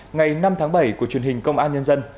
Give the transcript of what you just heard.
ngày năm tháng bảy của truyền hình công an nhân dân